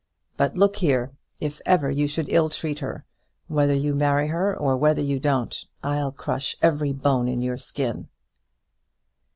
But look here, if ever you should ill treat her, whether you marry her or whether you don't, I'll crush every bone in your skin."